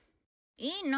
いいの？